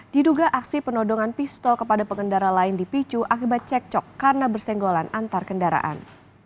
diduga aksi penodongan pistol kepada pengendara lain di picu akibat cekcok karena bersenggolan antar kendaraan